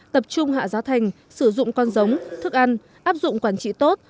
tập trung hạ giá thành sử dụng con giống thức ăn áp dụng quản trị tốt